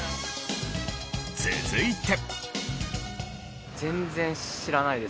続いて。